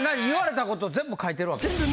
言われたこと全部書いてるわけ？